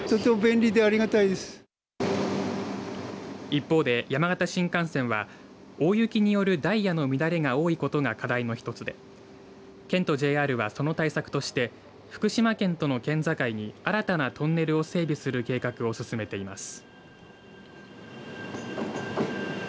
一方で、山形新幹線は大雪によるダイヤの乱れが多いことが課題の一つで県とＪＲはその対策として福島県との県境に新たなトンネルを整備する計画を進めています。